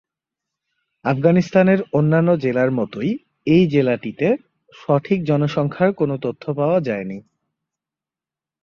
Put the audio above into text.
আফগানিস্তানের অন্যান্য জেলার মতই, এই জেলাটিতে সঠিক জনসংখ্যার কোন তথ্য পাওয়া যায়নি।